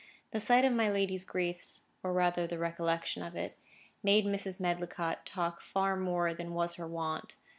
The sight of my lady's griefs, or rather the recollection of it, made Mrs. Medlicott talk far more than was her wont.